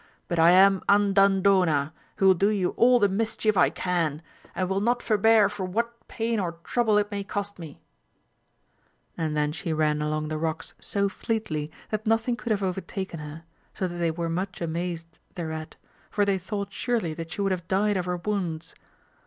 but I am Andandona, who will do you all the mischief I can, and will not forbear for what pain or trouble it may cost me ; and then she ran along the rocks so fleetly that nothing could have overtaken her, so that they were much amazed thereat, for they thought surely that she would have died of her wounds.